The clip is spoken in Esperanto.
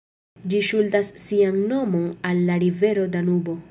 Ĝi ŝuldas sian nomon al la rivero Danubo.